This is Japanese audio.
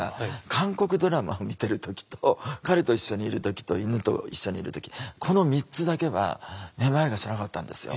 韓国ドラマを見てる時と彼と一緒にいる時と犬と一緒にいる時この３つだけはめまいがしなかったんですよ